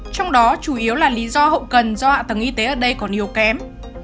trong đó chủ yếu là lý do hậu cần do hạ tầng y tế ở đây còn yếu kém